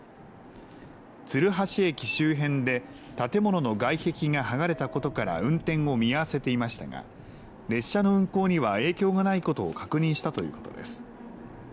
鶴橋駅周辺で建物の外壁が剥がれたことから運転を見合わせていましたが列車の運行には影響がないことを確認したということです。